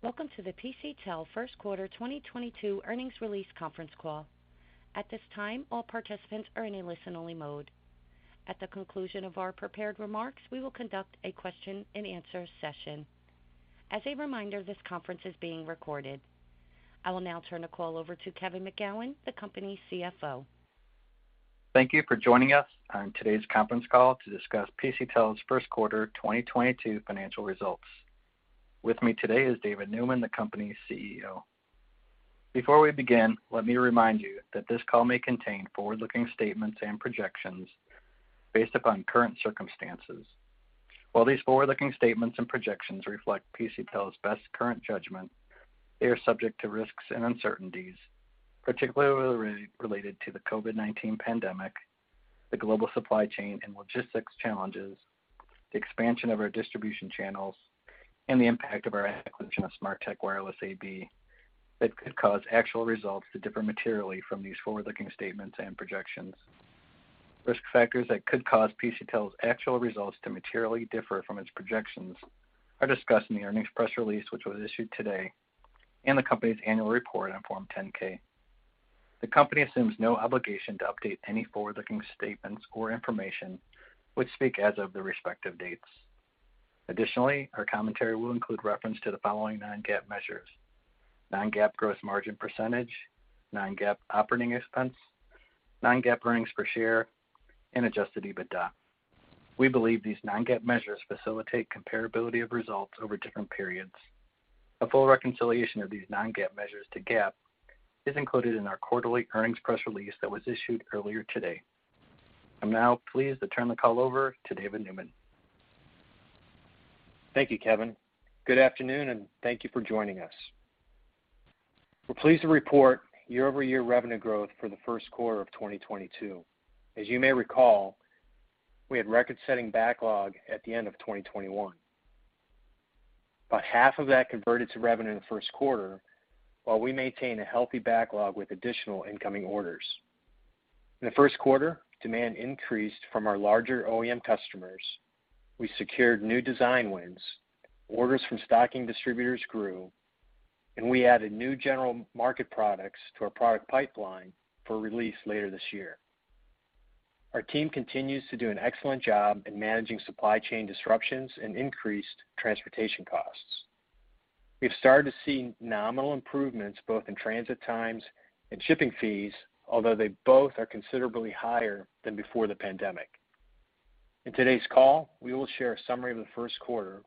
Welcome to the PCTEL First Quarter 2022 Earnings Release Conference Call. At this time, all participants are in a listen-only mode. At the conclusion of our prepared remarks, we will conduct a question-and-answer session. As a reminder, this conference is being recorded. I will now turn the call over to Kevin McGowan, the company's CFO. Thank you for joining us on today's conference call to discuss PCTEL's first quarter 2022 financial results. With me today is David Neumann, the company's CEO. Before we begin, let me remind you that this call may contain forward-looking statements and projections based upon current circumstances. While these forward-looking statements and projections reflect PCTEL's best current judgment, they are subject to risks and uncertainties, particularly related to the COVID-19 pandemic, the global supply chain and logistics challenges, the expansion of our distribution channels, and the impact of our acquisition of Smarteq Wireless AB, that could cause actual results to differ materially from these forward-looking statements and projections. Risk factors that could cause PCTEL's actual results to materially differ from its projections are discussed in the earnings press release, which was issued today and the company's annual report on Form 10-K. The company assumes no obligation to update any forward-looking statements or information, which speak as of the respective dates. Additionally, our commentary will include reference to the following non-GAAP measures: non-GAAP growth margin percentage, non-GAAP operating expense, non-GAAP earnings per share, and Adjusted EBITDA. We believe these non-GAAP measures facilitate comparability of results over different periods. A full reconciliation of these non-GAAP measures to GAAP is included in our quarterly earnings press release that was issued earlier today. I'm now pleased to turn the call over to David Neumann. Thank you, Kevin. Good afternoon, and thank you for joining us. We're pleased to report year-over-year revenue growth for the first quarter of 2022. As you may recall, we had record-setting backlog at the end of 2021. About half of that converted to revenue in the first quarter, while we maintain a healthy backlog with additional incoming orders. In the first quarter, demand increased from our larger OEM customers. We secured new design wins, orders from stocking distributors grew, and we added new general market products to our product pipeline for release later this year. Our team continues to do an excellent job in managing supply chain disruptions and increased transportation costs. We've started to see nominal improvements both in transit times and shipping fees, although they both are considerably higher than before the pandemic. In today's call, we will share a summary of the first quarter,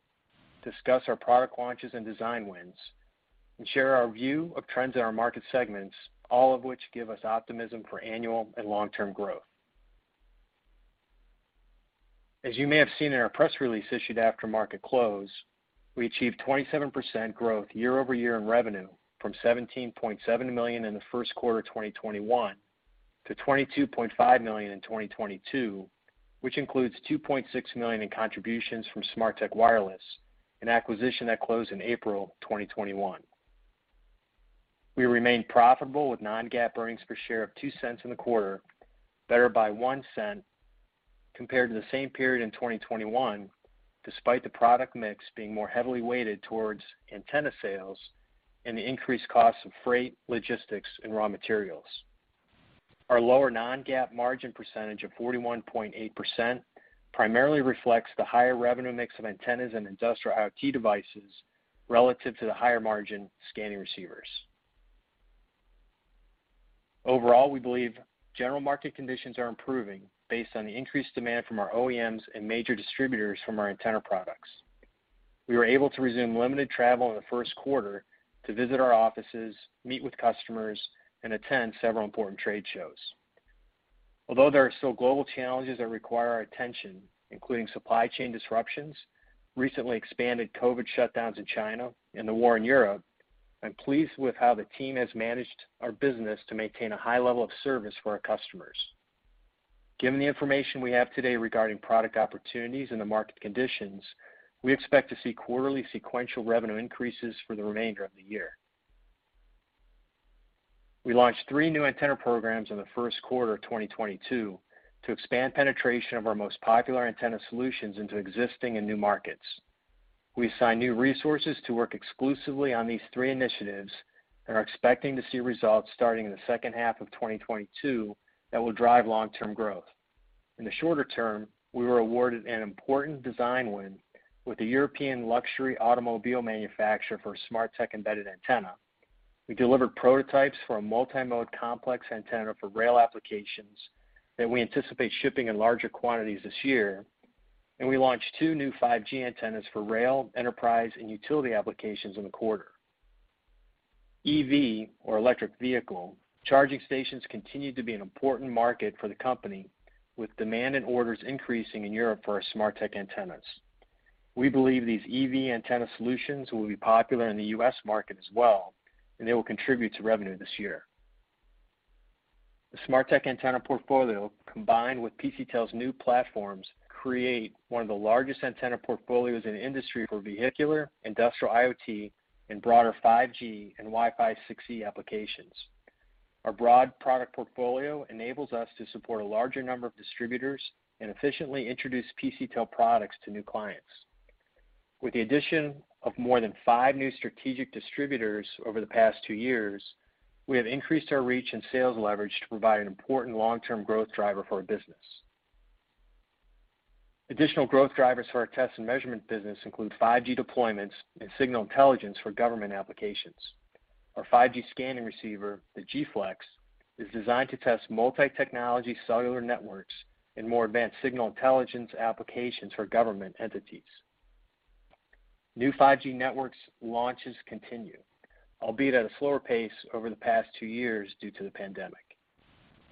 discuss our product launches and design wins, and share our view of trends in our market segments, all of which give us optimism for annual and long-term growth. As you may have seen in our press release issued after market close, we achieved 27% growth year-over-year in revenue from $17.7 million in the first quarter of 2021 to $22.5 million in 2022, which includes $2.6 million in contributions from Smarteq Wireless, an acquisition that closed in April 2021. We remain profitable with non-GAAP earnings per share of $0.02 in the quarter, better by $0.01 compared to the same period in 2021, despite the product mix being more heavily weighted towards antenna sales and the increased cost of freight, logistics, and raw materials. Our lower non-GAAP margin percentage of 41.8% primarily reflects the higher revenue mix of antennas and industrial IoT devices relative to the higher margin scanning receivers. Overall, we believe general market conditions are improving based on the increased demand from our OEMs and major distributors from our antenna products. We were able to resume limited travel in the first quarter to visit our offices, meet with customers, and attend several important trade shows. Although there are still global challenges that require our attention, including supply chain disruptions, recently expanded COVID shutdowns in China and the war in Europe, I'm pleased with how the team has managed our business to maintain a high level of service for our customers. Given the information we have today regarding product opportunities and the market conditions, we expect to see quarterly sequential revenue increases for the remainder of the year. We launched three new antenna programs in the first quarter of 2022 to expand penetration of our most popular antenna solutions into existing and new markets. We assigned new resources to work exclusively on these three initiatives and are expecting to see results starting in the second half of 2022 that will drive long-term growth. In the shorter term, we were awarded an important design win with the European luxury automobile manufacturer for Smarteq embedded antenna. We delivered prototypes for a multi-mode complex antenna for rail applications that we anticipate shipping in larger quantities this year, and we launched two new 5G antennas for rail, enterprise, and utility applications in the quarter. EV or electric vehicle charging stations continue to be an important market for the company with demand and orders increasing in Europe for our Smarteq antennas. We believe these EV antenna solutions will be popular in the U.S. market as well, and they will contribute to revenue this year. The Smarteq antenna portfolio, combined with PCTEL's new platforms, create one of the largest antenna portfolios in the industry for vehicular, industrial IoT, and broader 5G and Wi-Fi 6E applications. Our broad product portfolio enables us to support a larger number of distributors and efficiently introduce PCTEL products to new clients. With the addition of more than five new strategic distributors over the past two years, we have increased our reach and sales leverage to provide an important long-term growth driver for our business. Additional growth drivers for our test and measurement business include 5G deployments and signal intelligence for government applications. Our 5G scanning receiver, the Gflex, is designed to test multi-technology cellular networks and more advanced signal intelligence applications for government entities. New 5G networks launches continue, albeit at a slower pace over the past two years due to the pandemic.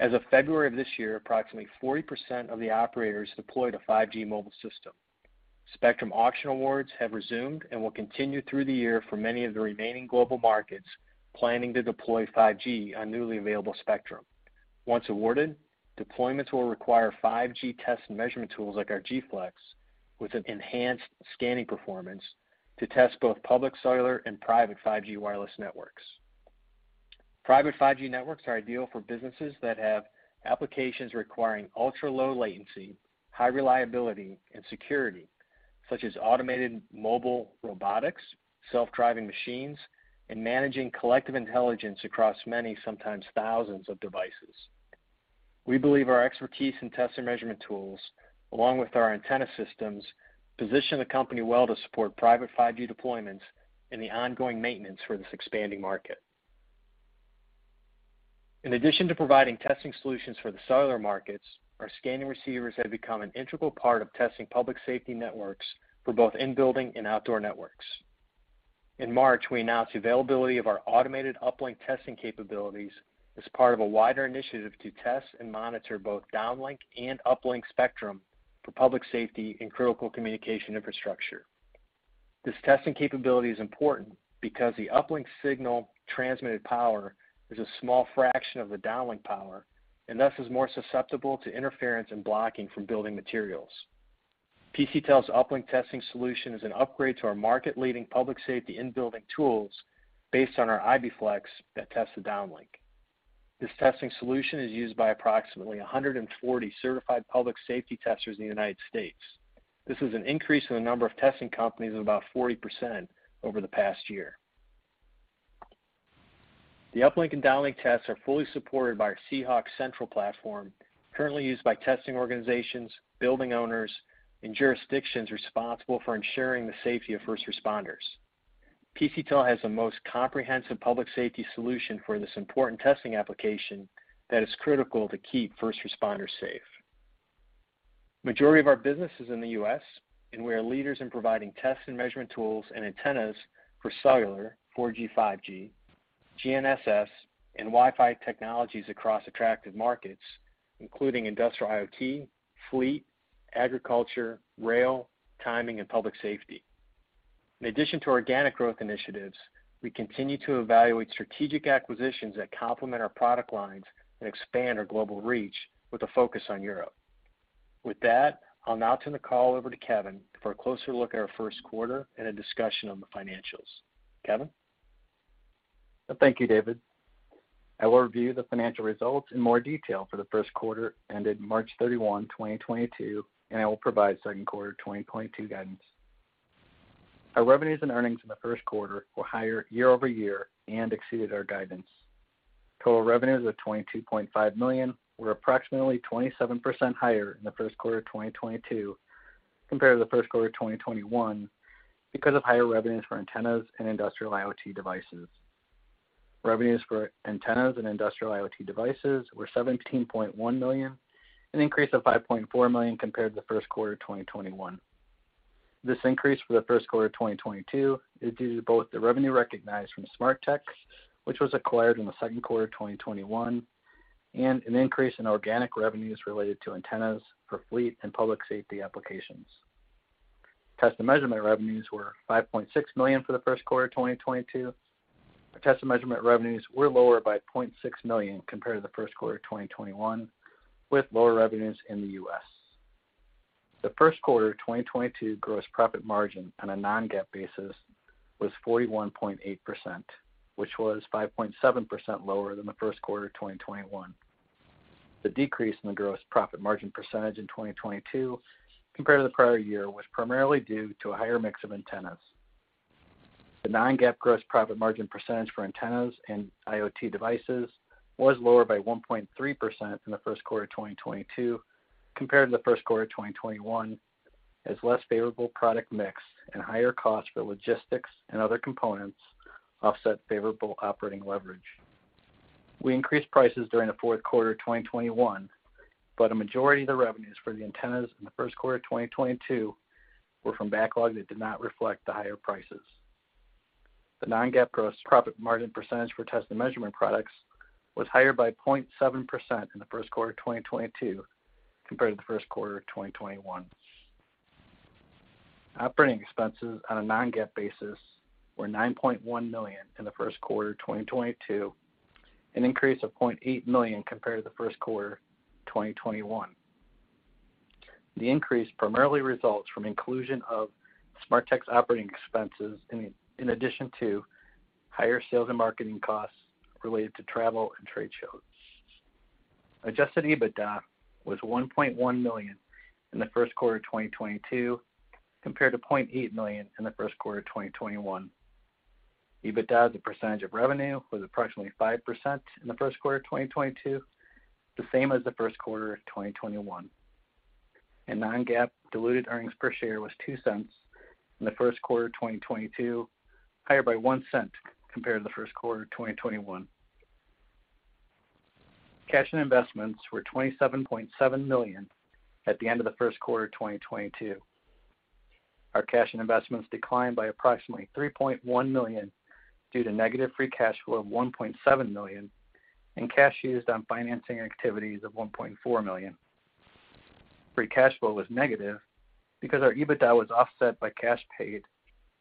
As of February of this year, approximately 40% of the operators deployed a 5G mobile system. Spectrum auction awards have resumed and will continue through the year for many of the remaining global markets planning to deploy 5G on newly available spectrum. Once awarded, deployments will require 5G test and measurement tools like our Gflex with an enhanced scanning performance to test both public, cellular and private 5G wireless networks. Private 5G networks are ideal for businesses that have applications requiring ultra-low latency, high reliability and security, such as automated mobile robotics, self-driving machines, and managing collective intelligence across many, sometimes thousands, of devices. We believe our expertise in test and measurement tools, along with our antenna systems, position the company well to support private 5G deployments and the ongoing maintenance for this expanding market. In addition to providing testing solutions for the cellular markets, our scanning receivers have become an integral part of testing public safety networks for both in-building and outdoor networks. In March, we announced availability of our automated uplink testing capabilities as part of a wider initiative to test and monitor both downlink and uplink spectrum for public safety and critical communication infrastructure. This testing capability is important because the uplink signal transmitted power is a small fraction of the downlink power and thus is more susceptible to interference and blocking from building materials. PCTEL's uplink testing solution is an upgrade to our market-leading public safety in-building tools based on our IBflex that tests the downlink. This testing solution is used by approximately 140 certified public safety testers in the United States. This is an increase in the number of testing companies of about 40% over the past year. The uplink and downlink tests are fully supported by our SeeHawk Central platform, currently used by testing organizations, building owners and jurisdictions responsible for ensuring the safety of first responders. PCTEL has the most comprehensive public safety solution for this important testing application that is critical to keep first responders safe. Majority of our business is in the U.S., and we are leaders in providing test and measurement tools and antennas for cellular 4G, 5G, GNSS and Wi-Fi technologies across attractive markets, including industrial IoT, fleet, agriculture, rail, timing and public safety. In addition to organic growth initiatives, we continue to evaluate strategic acquisitions that complement our product lines and expand our global reach with a focus on Europe. With that, I'll now turn the call over to Kevin for a closer look at our first quarter and a discussion on the financials. Kevin? Thank you, David. I will review the financial results in more detail for the first quarter ended March 31, 2022, and I will provide second quarter 2022 guidance. Our revenues and earnings in the first quarter were higher year-over-year and exceeded our guidance. Total revenues of $22.5 million were approximately 27% higher in the first quarter of 2022 compared to the first quarter of 2021 because of higher revenues for antennas and industrial IoT devices. Revenues for antennas and industrial IoT devices were $17.1 million, an increase of $5.4 million compared to the first quarter of 2021. This increase for the first quarter of 2022 is due to both the revenue recognized from Smarteq, which was acquired in the second quarter of 2021, and an increase in organic revenues related to antennas for fleet and public safety applications. Test and measurement revenues were $5.6 million for the first quarter of 2022. Test and measurement revenues were lower by $0.6 million compared to the first quarter of 2021, with lower revenues in the U.S. The first quarter of 2022 gross profit margin on a non-GAAP basis was 41.8%, which was 5.7% lower than the first quarter of 2021. The decrease in the gross profit margin percentage in 2022 compared to the prior year was primarily due to a higher mix of antennas. The non-GAAP gross profit margin percentage for antennas and IoT devices was lower by 1.3% in the first quarter of 2022 compared to the first quarter of 2021 as less favorable product mix and higher costs for logistics and other components offset favorable operating leverage. We increased prices during the fourth quarter of 2021, but a majority of the revenues for the antennas in the first quarter of 2022 were from backlog that did not reflect the higher prices. The non-GAAP gross profit margin percentage for test and measurement products was higher by 0.7% in the first quarter of 2022 compared to the first quarter of 2021. Operating expenses on a non-GAAP basis were $9.1 million in the first quarter of 2022, an increase of $0.8 million compared to the first quarter of 2021. The increase primarily results from inclusion of Smarteq's operating expenses in addition to higher sales and marketing costs related to travel and trade shows. Adjusted EBITDA was $1.1 million in the first quarter of 2022 compared to $0.8 million in the first quarter of 2021. EBITDA as a percentage of revenue was approximately 5% in the first quarter of 2022, the same as the first quarter of 2021. Non-GAAP diluted earnings per share was $0.02 in the first quarter of 2022, higher by $0.01 compared to the first quarter of 2021. Cash and investments were $27.7 million at the end of the first quarter of 2022. Our cash and investments declined by approximately $3.1 million due to negative free cash flow of $1.7 million and cash used on financing activities of $1.4 million. Free cash flow was negative because our EBITDA was offset by cash paid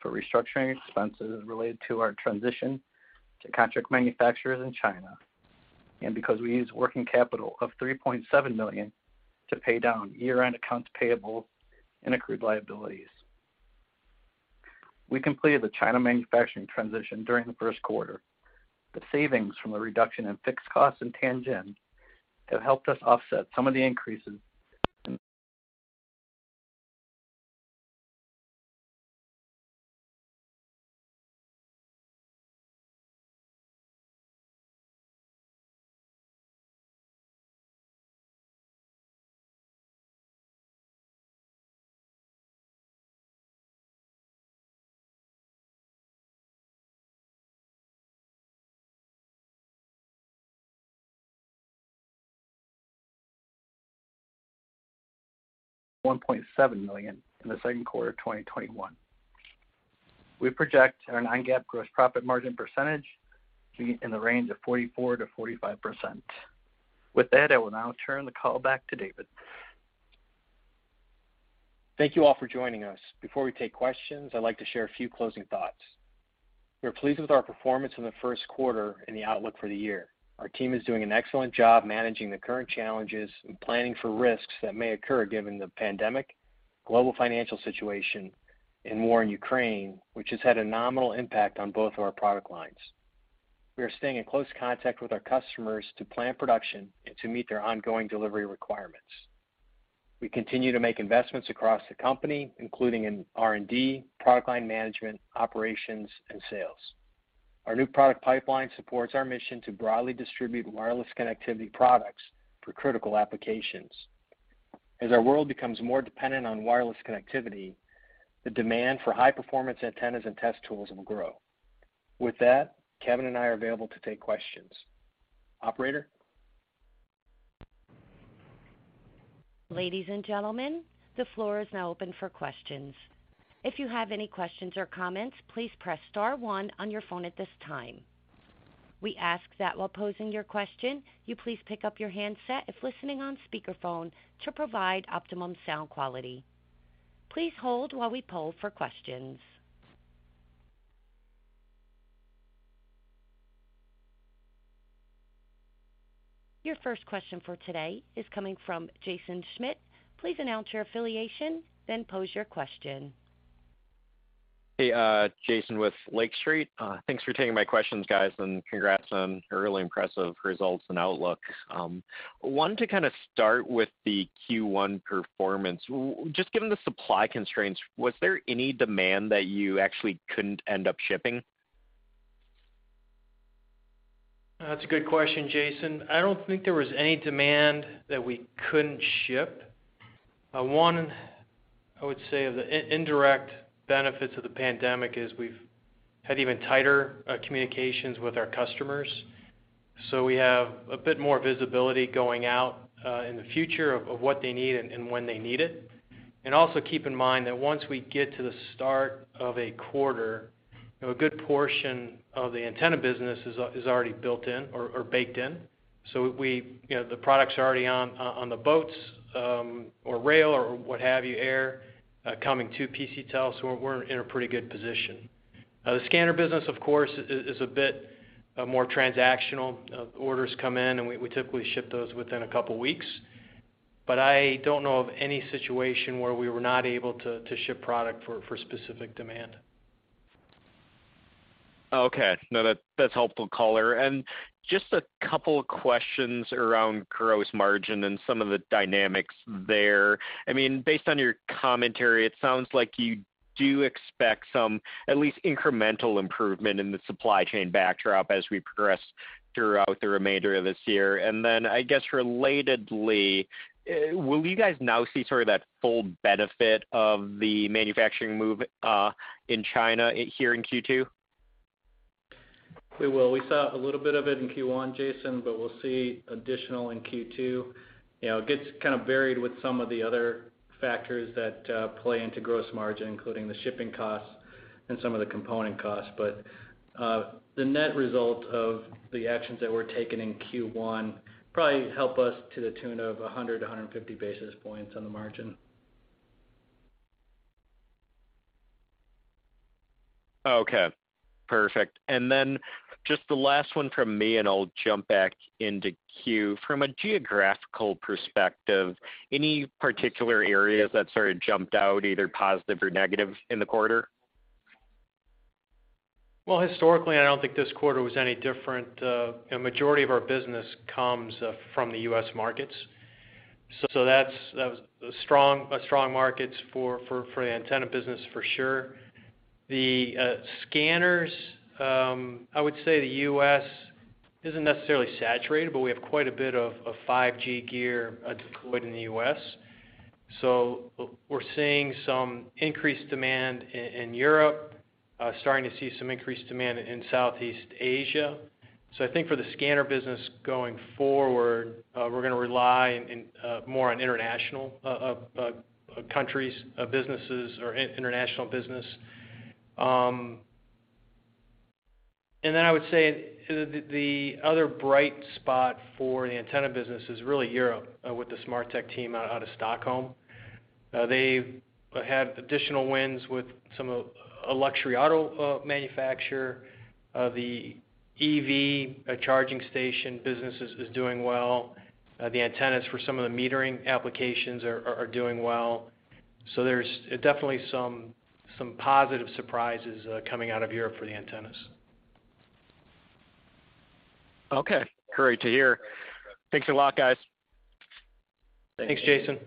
for restructuring expenses related to our transition to contract manufacturers in China, and because we used working capital of $3.7 million to pay down year-end accounts payable and accrued liabilities. We completed the China manufacturing transition during the first quarter. The savings from the reduction in fixed costs in Tianjin have helped us offset some of the increases of $1.7 million in the second quarter of 2021. We project our non-GAAP gross profit margin percentage to be in the range of 44%-45%. With that, I will now turn the call back to David. Thank you all for joining us. Before we take questions, I'd like to share a few closing thoughts. We are pleased with our performance in the first quarter and the outlook for the year. Our team is doing an excellent job managing the current challenges and planning for risks that may occur given the pandemic, global financial situation, and war in Ukraine, which has had a nominal impact on both of our product lines. We are staying in close contact with our customers to plan production and to meet their ongoing delivery requirements. We continue to make investments across the company, including in R&D, product line management, operations, and sales. Our new product pipeline supports our mission to broadly distribute wireless connectivity products for critical applications. As our world becomes more dependent on wireless connectivity, the demand for high performance antennas and test tools will grow. With that, Kevin and I are available to take questions. Operator? Ladies and gentlemen, the floor is now open for questions. If you have any questions or comments, please press star one on your phone at this time. We ask that while posing your question, you please pick up your handset if listening on speakerphone to provide optimum sound quality. Please hold while we poll for questions. Your first question for today is coming from Jaeson Schmidt. Please announce your affiliation, then pose your question. Hey, Jaeson with Lake Street. Thanks for taking my questions, guys, and congrats on really impressive results and outlook. Wanted to kind of start with the Q1 performance. Given the supply constraints, was there any demand that you actually couldn't end up shipping? That's a good question, Jaeson. I don't think there was any demand that we couldn't ship. I would say one of the indirect benefits of the pandemic is we've had even tighter communications with our customers. So we have a bit more visibility going out in the future of what they need and when they need it. Also keep in mind that once we get to the start of a quarter, you know, a good portion of the antenna business is already built in or baked in. You know, the products are already on the boats or rail or what have you, air, coming to PCTEL, so we're in a pretty good position. The scanner business, of course, is a bit more transactional. Orders come in, and we typically ship those within a couple weeks. I don't know of any situation where we were not able to ship product for specific demand. Okay. No, that's helpful color. Just a couple of questions around gross margin and some of the dynamics there. I mean, based on your commentary, it sounds like you do expect some at least incremental improvement in the supply chain backdrop as we progress throughout the remainder of this year. Then I guess relatedly, will you guys now see sort of that full benefit of the manufacturing move in China here in Q2? We will. We saw a little bit of it in Q1, Jaeson, but we'll see additional in Q2. You know, it gets kind of varied with some of the other factors that play into gross margin, including the shipping costs and some of the component costs. The net result of the actions that were taken in Q1 probably help us to the tune of 100-150 basis points on the margin. Okay, perfect. Just the last one from me, and I'll jump back into queue. From a geographical perspective, any particular areas that sort of jumped out either positive or negative in the quarter? Well, historically, I don't think this quarter was any different. A majority of our business comes from the U.S. markets. That was a strong market for the antenna business for sure. The scanners, I would say the U.S. isn't necessarily saturated, but we have quite a bit of 5G gear deployed in the U.S. We're seeing some increased demand in Europe, starting to see some increased demand in Southeast Asia. I think for the scanner business going forward, we're gonna rely more on international countries, businesses or international business. I would say the other bright spot for the antenna business is really Europe with the Smarteq team out of Stockholm. They've had additional wins with some of a luxury auto manufacturer. The EV charging station business is doing well. The antennas for some of the metering applications are doing well. There's definitely some positive surprises coming out of Europe for the antennas. Okay. Great to hear. Thanks a lot, guys. Thanks, Jaeson.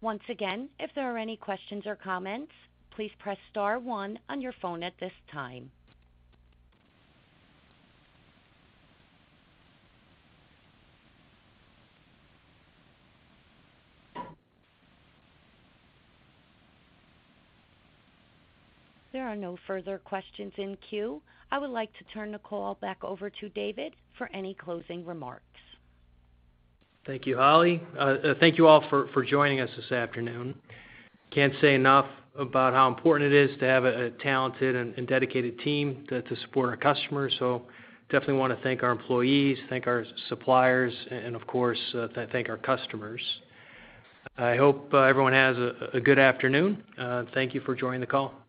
Once again, if there are any questions or comments, please press star one on your phone at this time. There are no further questions in queue. I would like to turn the call back over to David for any closing remarks. Thank you, Holly. Thank you all for joining us this afternoon. Can't say enough about how important it is to have a talented and dedicated team to support our customers. Definitely want to thank our employees, thank our suppliers, and of course, thank our customers. I hope everyone has a good afternoon. Thank you for joining the call.